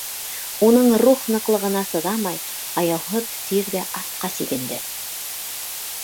Уның рух ныҡлығына сыҙамай, аяуһыҙ сир ҙә артҡа сигенде.